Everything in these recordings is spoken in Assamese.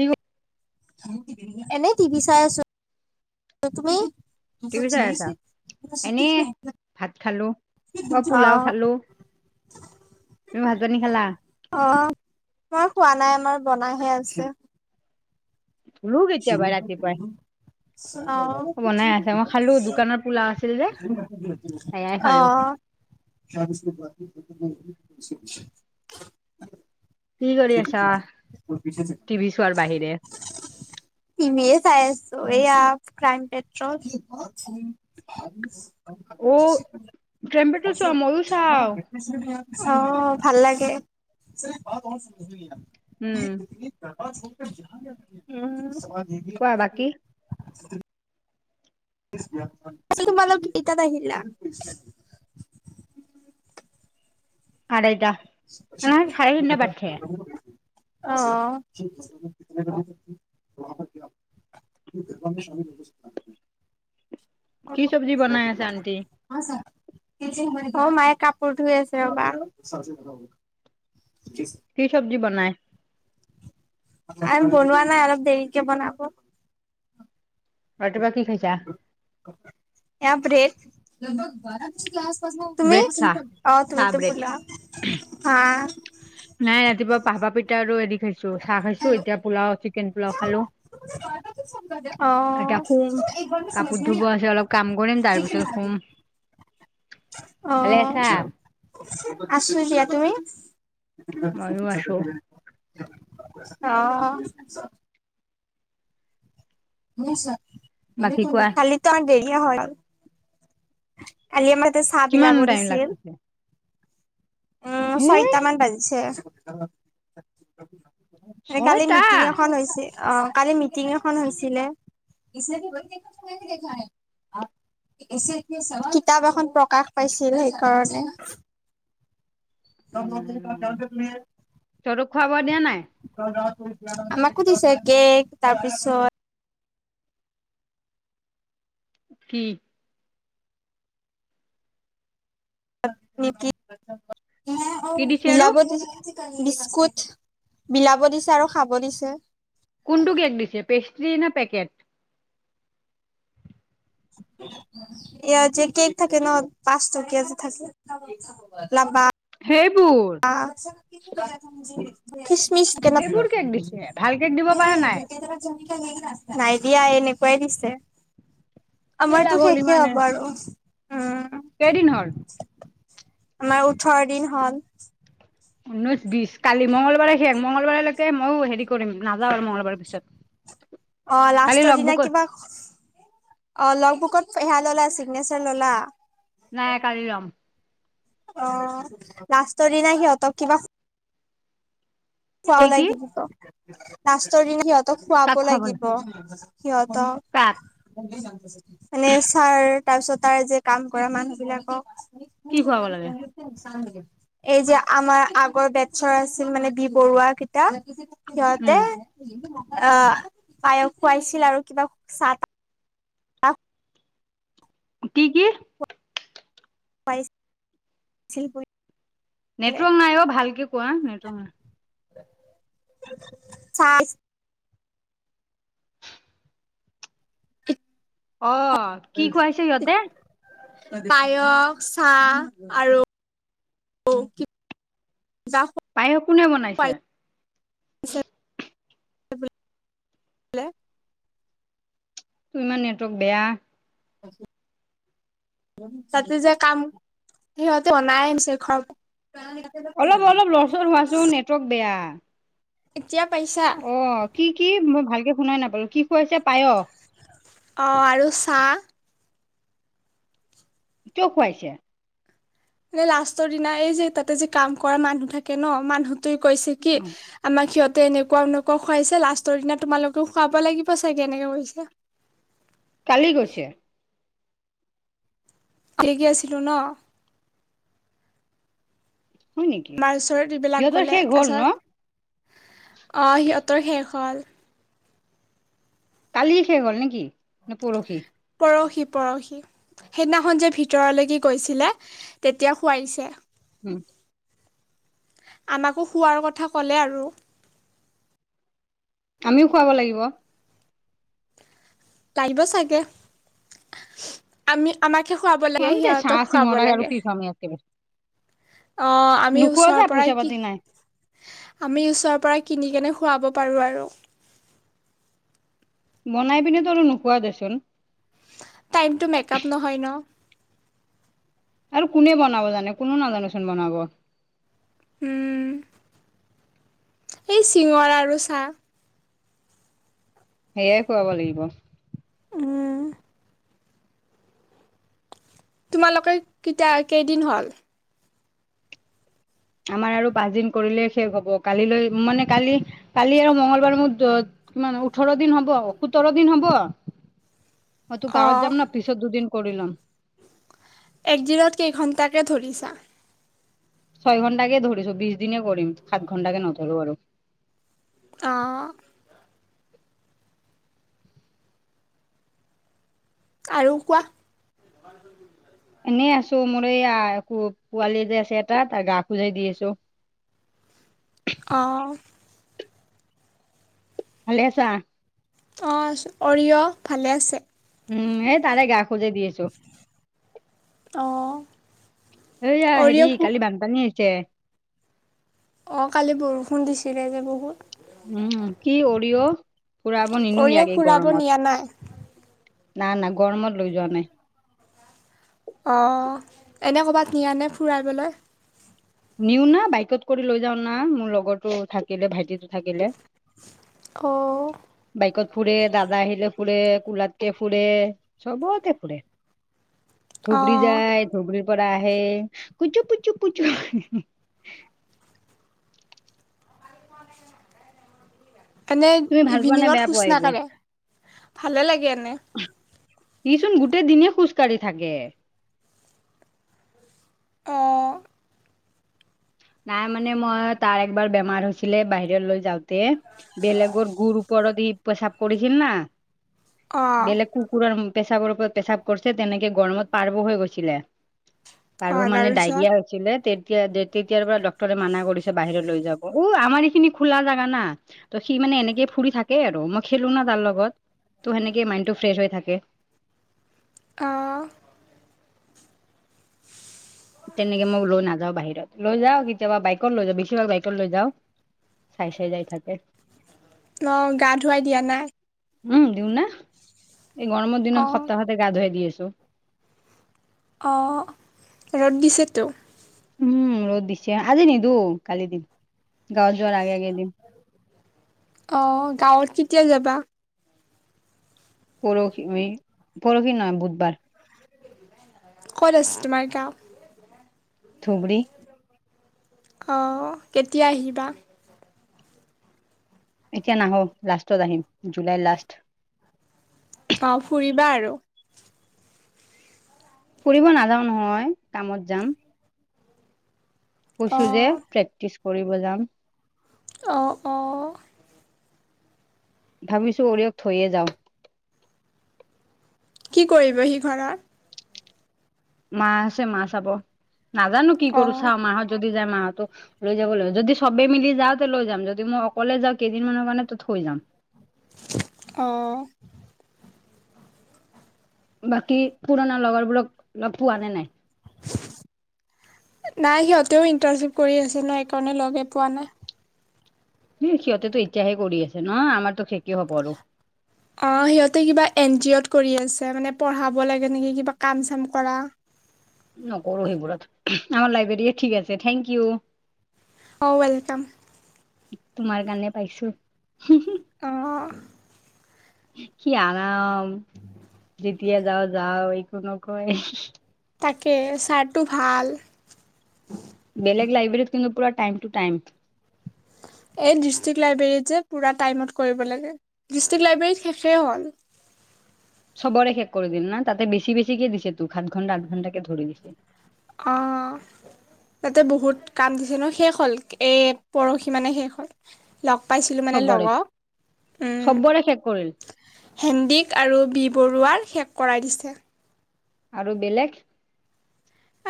এই [unintelligible] এনেই টিভি চাই আছোঁ। তুমি? [inaudible] টিভি চাই আছা। এনে ভাত খালো অ পোলাও খালো। [unintelligible] তুমি ভাত-পানী খালা? [inaudible] অঁ [unintelligible] মই খোৱা নাই আমাৰ বনাইহে আছে। [inaudible] লু [unintelligible] এতিয়া পায় ৰাতিপুৱাই অ [unintelligible] বনাই আছে। মই খালো দোকানত পোলা আছিল যে সেয়াই খালো। [unintelligible] উ [unintelligible] কি [unintelligible] পি পিছে [unintelligible] খোৱাৰ বাহিৰে [unintelligible] টিভিয়ে চাই আছিলো এইয়া ক্ৰাইম পেট্ৰল [unintelligible] অ ক্ৰাইম পেট্ৰল চোৱা ম‌ইও চাওঁ [unintelligible] চাওঁ অ ভাল উম লাগে। [unintelligible] [inaudible] কোৱা উম বাকী [unintelligible] পিছে তোমালোক কেইটাত আহিলা? [unintelligible] আৰাইটা। [unintelligible] [unintelligible] অঁ-অঁ [inaudible] [unintelligible] কি চব্জি বনাই নিচ আছে আন্টি? [unintelligible] [unintelligible] অ মায়ে কাপোৰ ধুই আছে ৰবা। কি [unintelligible] কি চব্জি বনায়? [unintelligible] [unintelligible] মায়ে বনোৱা নাই, অলপ দেৰিকে বনাব। ৰাতিপুৱা কি খাইছা? [inaudible] [unintelligible] এইয়া ব্ৰেড। [inaudible] [unintelligible] তুমি? ব্ৰেড চাহ অ চাহ তুমিটো ব্ৰেড। পোলাও। হা [unintelligible] নাই ৰাতিপুৱা [unintelligible] পাহা পিঠা আৰু হেৰি খাইছো চাহ খাইছো। এতিয়া পোলাও চিকেন পোলাও খালো। [inaudible] এতিয়া শুম। কাপোৰ ধুব আছে, অলপ কাম কৰিম তাৰপিছত শুম। [unintelligible] [unintelligible] [unintelligible] ভালে অঁ! আছা আছো দিয়া। তুমি? ময়ো আছো [unintelligible] [unintelligible] অঁ! [unintelligible] কালিতো আৰু বাকী কোৱা দেৰিয়ে হয় গ'ল। [unintelligible] কালি আমাক যে চাহ কিমান বিলাব টাইম দিছিল? লাগছে [unintelligible] উম! হে ছয়টামান বাজিছে। [unintelligible] কালি ছয়টা মিটিং এখন হৈছিল। অ কালি মিটিং এখন হৈছিলে। [unintelligible] [unintelligible] [inaudible] [unintelligible] কিতাপ এখন প্ৰকাশ পাইছিল সেইকাৰণে। [unintelligible] [unintelligible] [unintelligible] উম তহঁতক খোৱা বোৱা দিয়া নাই আমাকো দিছে কেক তাৰপিছত কি? [inaudible] নিমকি [unintelligible] কি দিছে আৰু বিলাব দিছে [unintelligible] বিস্কুট, বিলাব দিছে আৰু খাব দিছে। [unintelligible] কোনটো কেক দিছে পেষ্ট্ৰি নে পেকেট [unintelligible] ই যে কেক থাকে ন পাছ টকীয়া যে থাকে হেবুল অছে [unintelligible] খ্ৰচমিচ কে [unintelligible] নাই সেইবোৰ কেক দিছে ভাল কেক দিব পৰা নাই দিয়া এনেকুৱাই দিছে। কি আমাৰতো লাভ হ'ল শেষে হ'ব আৰু কেদিন হল- আমাৰ ওঠৰ দিন হ'ল ঊনৈশ বিশ, কালি মঙ্লবাৰে শেষ, মঙলবাৰলৈকে ময়ো হেৰি কৰিম নাযাওঁ আৰু মঙগলবাৰৰ পিছত [inaudible] অ', কালি লাষ্টৰ লগ দিনা বুক কিবা অ লগ বুকত সেয়া ললা চিগনেচাৰ ললা নাই কালি লম অ' লাষ্টৰ দিনা সিহঁতক কিবা খুৱাব কি কি লাগি দিব লাষ্টৰ দিনা সিহঁতক খুৱাব কাক খুৱাবলৈ লাগিব। কাক এনে ছাৰ তাৰ পিছত তাৰ যে কাম কৰা মানুহ বিলাকক কি খুৱাব লাগে এই যে আমাৰ আগৰ বেছৰ আছিল মানে বি বৰুৱা কেইতা সিহতে উম অ পায়স খুৱাইছিল আৰু কিবা চাহ তাহ কি? কি? [unintelligible] বুলি নেটৱৰ্ক নাই অ ভালকে কোৱা নেটৱৰ্ক নাই। [inaudible] অ', কি হয়। খুৱাইছে সিহঁতে পায়স চাহ আৰু য পায়স কোনে বনাইছে। বোলে ইমান নেটৱৰ্ক বেয়া হয় [unintelligible] তাতে যে কাম সিহঁতে অনাই আনিছে ঘৰৰ পৰা। অলপ অলপ লৰচৰ হোৱাচোন নেটৱৰ্ক বেয়া। এতিয়া পাইছা? অ কি কি মই ভালকে শুনাই নাপালো কি খুৱাইছে পায়স? অঁ আৰু চাহ। কিয় খুৱাইছে? এ লাষ্টৰ দিনা এই যে তাতে যে কাম কৰা মানুহ থাকে ন মানুহটোৱে কৈছে কি অ আমাক সিহঁতে এনেকুৱা এনেকুৱা খুৱাইছে লাষ্টৰ দিনা তোমালোকেও খুৱাব লাগিব চাগে এনেকে কৈছে। কালি গৈছে। আছিলো ন হয় নেকি মাষ্টৰে এইবিলাক সিহঁতৰ কলে, শেষ তাৰ হ'ল ন পিছত অঁ সিহঁতৰ শেষ হ'ল কালি শেষ হল নেকি নে পৰহি? পৰহি পৰহি। সেইদিনাখন যে ভিতৰলৈকে গৈছিলে তেতিয়া খোৱাই দিছে। উম। আমাকো খোৱাৰ কথা ক'লে আৰু। আমিও খুৱাব লাগিব। লাগিব চাগে, আমি আমাকে খুৱাব লাগে সিহঁতক খুৱাব লাগে। সমি অ [inaudible] অ' আমি ওচৰৰ যা পইচা পৰাই কি। পাতি নাই আমি ওচৰৰ পৰা কিনিকনে খুৱাব পাৰোঁ আৰু। বনাই পিনে তো আৰু নোখোৱা দেচোন। টাইমটো মেকআপ নহয় ন। আৰু কোনে বনাব জানে কোনেও নাজানেচোন বনাব। উম। এই চিঙৰা আৰু চাহ। সেয়াই খুৱাব লাগিব। উম। তোমালোকে কেতিয়া কেইদিন হ'ল? আমাৰ আৰু পাঁচদিন কৰিলে শেষ হব, কালিলৈ মানে কালি কালি আৰু মঙ্গলবাৰ মোৰ। কিমান ওঠৰ দিন হ'ব সোতৰ দিন হ'ব মই তো অ গাঁৱত যাম ন। পিছত দুদিন কৰি লম। একদিনত কেইঘণ্টাকে ধৰিছা? ছয় ঘণ্টা কে ধৰিছো বিছ দিনে কৰিম, সাত ঘণ্টা কে নধৰো আৰু। অঁ। আৰু কোৱা। এনেই আছো মোৰ এইয়া একো পোৱালি যে আছে এটা তাৰ গা ধুৰাই দি আছো। অঁ। ভালে আছা? অঁ অৰিয়' ভালে আছে [unintelligible] উম এই তাৰে গা খুজে দি আছো [unintelligible] অঁ। এয়া হেৰি কালি বানপানী আহিছে। অঁ কালি বৰষুণ দিছিল যে বহুত। উম, কি অৰিয়ো ফুৰাব নিনো অৰিয় ইয়াক এই ফুৰাব গৰমত। নিয়া নাই নাই না গৰমত লৈ যোৱা নাই। অঁ এনে ক'ৰবাত নিয়ানে ফুৰাইবলৈ। নিওনা বাইকত কৰি লৈ যাও না, মোৰ লগৰটো থাকিলে ভাইটিটো থাকিলে। অঁ। বাইকত ফুৰে, দাদা আহিল ফুৰে কলাতক ফুৰে। চবতে ফূৰে। অ থুগৰি যায় থুগৰি প আহ কুুপ পুুপ পুু [unintelligible] [inaudible] এনেই ভাল পোৱা নে ইভিনিঙত বেয়া শোচ পোৱা এইবোৰ নাক়ে ভালে লাগে এনে [unintelligible] ইচোন গোটেই দিনে খোজ কঢ়ি থাকে। অঁ। নাই মানে মই তাৰ একবাৰ বেমাৰ হৈছিলে বাহিৰলৈ যাওঁতে। বেলেগৰ গুৰ ওপৰেদি পেচাব কৰিছিল না। বেলেগ কুকুৰৰ পেচাবৰ ওপৰত পেচাব কৰিছে তেনেকে গৰমত পাৰ্ব হৈ গৈছিলে। তাৰ মানে ডায়েৰিয়া হৈ- ছিলে তেতিয়া দে তেতিয়াৰ পৰা ডক্তৰে মানা কৰিছে বাহিৰ লৈ যাব উ আমাৰ এইখিনি খোলা জাগা না ত সি মানে এনেকে ফুৰি থাকে আৰু মই খেলো না তাৰ লগত। তো সেনেকে মাইণ্ডটো ফ্ৰেচ হৈ থাকে। অ তেনেকে মই বোলো নাযওঁ বাহিৰত লৈ যাওঁ কেতিয়াবা বাইকত লৈ যাওঁ বছিভাগ বাইকত লৈ যাওঁ। চাই চাই যাই থাকে। ন গা ধুৱাই দিয়া নাই? উম দিও না এই গৰমৰ অ', দিনত সপ্তাহতে গা ধুৱাই দি আছো। অ ৰ'দ দিছেতো। উম ৰ'দ দিছে আজি নিদু কালি দিম গাঁৱত যোৱাৰ আগে আগে দিম। অ গাঁৱত কেতিয়া যাবা? পৰহি মে পৰহি নহ বুধবাৰ। ক'ত আছে তোমাৰ গাওঁ? ধুবুৰী। অ কেতিয়া আহিবা? এতিয়া নাহো লাষ্টত আহিম জুলাই লাষ্ট অ ফুৰিবা আৰু ফুৰিব নাযাওঁ নহয় কামত যাম। কৈছো যে অ', প্ৰেক্টিচ কৰিব যাম। অ অ ভাবিছো অৰিয়ক থৈয়ে যাওঁ। কি কৰিব সি ঘৰত মা আছে মা চাব নাজানো কি কৰো অ', চাওঁ মাহত যদি যায় মাহতো লৈ যাব লাগিব যদি চবে মিলি যাওঁ তে লৈ যাম যদি মই অকলে যাওঁ কেইদিনমানৰ কাৰণে ত থৈ যাম। অ বাকী পুৰণা লগৰবোৰক লগ পোৱা নে নাই? নাই সিহঁতেও ইন্টাৰ্ণশ্বিপ কৰি আছে ন একাৰণে লগে পোৱা নাই। সে সিহঁতেতো এতিয়াহে কৰি আছে ন আমাৰতো শেষে হ'ব আৰু অ সিহঁতে কিবা এন জি অ'ত কৰি আছে মানে পঢ়াব লাগে নেকি কিবা কাম চাম কৰা নকৰো সেইবোৰত আমাৰ লাইব্ৰেৰিয়ে ঠিক আছে থেংক ইউ। অ ৱেলকাম। তোমাৰ কাৰণে পাইছো হু হু অ', কি আৰাম যেতিয়া যাওঁ যাওঁ একো নকয় হি হি। তাকে ছাৰটো ভাল। বেলেগ লাইব্ৰেীত কিন্তু পুৰা টাইম টু টাইম। এই ডিষ্ট্ৰিক্ট লাইব্ৰেৰীত যে পুৰা টাইমত কৰিব লাগে ডিষ্ট্ৰিক্ট লাইব্ৰেৰীত শেষে হ'ল। চবৰে শেষ কৰি দিম না তাতে বেছি বেছি কে দিছে তোক সাত ঘণ্টা, আঠ ঘণ্টা কে ধৰি দিছে। অ তাতে বহুত কাম দিছে ন শেষ হ'ল এই পৰহি মানে শেষ হ'ল। লগ পাইছিলোঁ মানে চবৰে লগক উম চবৰে শেষ কৰিল হেণ্ডিক আৰু বি বৰুৱাৰ শেষ কৰাই দিছে। আৰু বেলেগ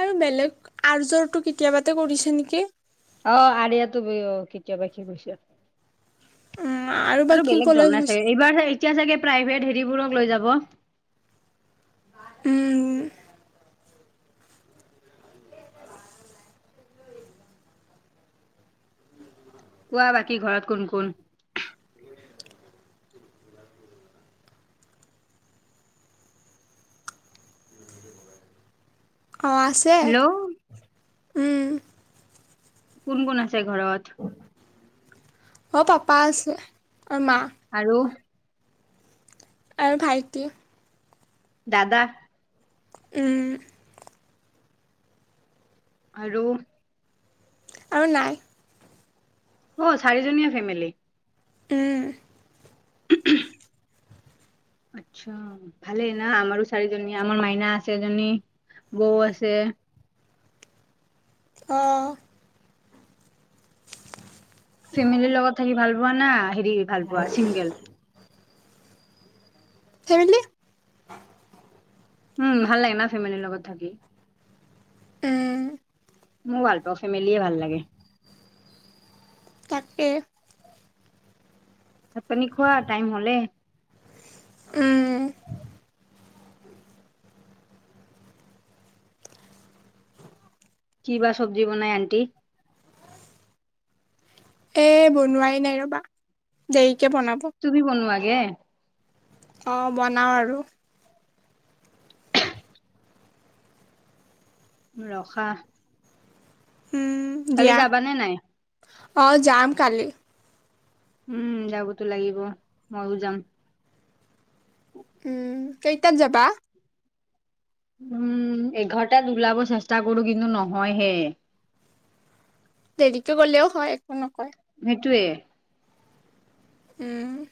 আৰু বেলেগ আজৰটো কেতিয়াবাতে কৰিছে নেকি অ আৰিয়াতো [unintelligible] কেতিয়াবা কি কৈছে উম বা আৰু কি বেলেগ যৱা কলেজ নাই গৈছে চাগে, এইবাৰা হে এতিয়া চাগে প্ৰাইভেট হেৰিবোৰক লৈ যাব। উম। কোৱা বাকী ঘৰত কোন কোন? অঁ আছে। হেল্ল উম কোন কোন আছে ঘৰত? মোৰ পাপা আছে আৰু মা। আৰু আৰু ভাইটি। দাদা উম আৰু আৰু নাই। অ চাৰিজনীয়া ফেমিলি। উম [unintelligible] আচ্ছা ভালেই ন, আমাৰো চাৰিজনী আমাৰ মাইনা আছে এজনী বৌ আছে। অ ফেমিলিৰ লগত থাকি ভাল পোৱা না, হেৰি ভাল পোৱা চিংগল। ফেমেলি উম ভাল লাগে না, ফেমিলিৰ লগত থাকি। উম। মইও ভাল পাওঁ ফেমিলিয়ে ভাল লাগে। তাকে। তাত পানী খোৱা টাইম হলে। উম কিবা চব্জি বনাই আন্টি। এ বনোৱাই নাই ৰবা, দেৰিকে বনাব। তুমি বনোৱা গে। অঁ বনাওঁ আৰু। ৰখা। উম কালি যাবা নে নাই? অঁ যাম কালি। উম যাবতো লাগিব, ময়ো যাম। উম, কেইটাত যাবা? উম এঘৰটাাত ওলাব চেষ্টা কৰো কিন্তু নহয়হে। দেৰিকে গ'লেও হয় একো নকয়। সেইটোৱে উম